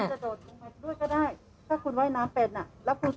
ก็โดดลงไปด้วยก็ได้ถ้าคุณว่ายน้ำเป็นอะ